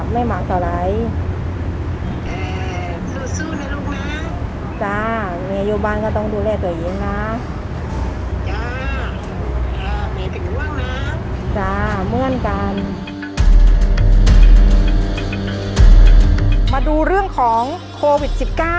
มาดูเรื่องของโควิด๑๙